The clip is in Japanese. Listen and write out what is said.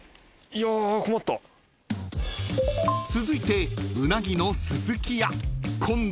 ［続いてうなぎの寿々喜